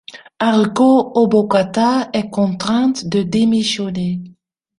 Haruko Obokata est contrainte de démissionner.